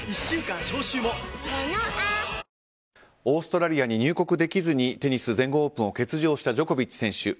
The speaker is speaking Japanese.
オーストラリアに入国できずにテニス全豪オープンを欠場したジョコビッチ選手。